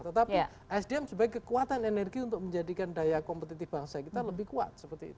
tetapi sdm sebagai kekuatan energi untuk menjadikan daya kompetitif bangsa kita lebih kuat